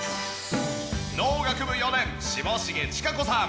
農学部４年下重智華子さん。